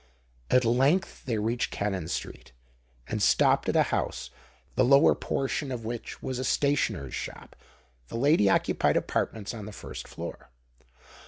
At length they reached Cannon Street, and stopped at a house, the lower portion of which was a stationer's shop. The lady occupied apartments on the first floor.